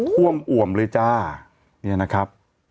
ท่วมอ่วมเลยจ้าเนี่ยนะครับ